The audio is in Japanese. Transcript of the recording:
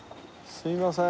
すいません。